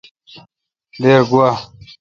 دیر گوا۔